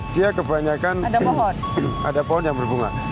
dia kebanyakan ada pohon yang berbunga